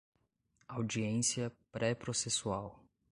Audiência pré-processual